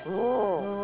うん。